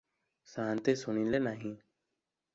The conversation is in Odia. ସାଆନ୍ତେ ଶୁଣିଲେ ନାହିଁ ।